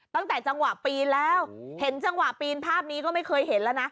ตั้งแต่จังหวะปีนแล้วเห็นจังหวะปีนภาพนี้ก็ไม่เคยเห็นแล้วนะ